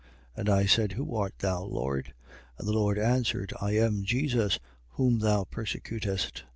26:15. And I said: Who art thou, Lord? And the Lord answered: I am Jesus whom thou persecutest.